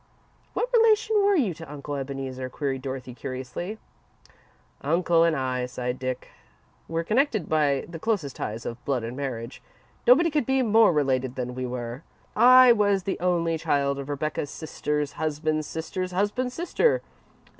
"What relation were you to Uncle Ebeneezer?" queried Dorothy, curiously. "Uncle and I," sighed Dick, "were connected by the closest ties of blood and marriage. Nobody could be more related than we were. I was the only child of Aunt Rebecca's sister's husband's sister's husband's sister.